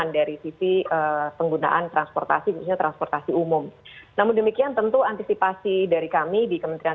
dalam transportasi transportasi umum namun demikian tentu antisipasi dari kami di kementerian